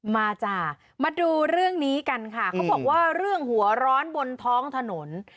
จ้ามาดูเรื่องนี้กันค่ะเขาบอกว่าเรื่องหัวร้อนบนท้องถนน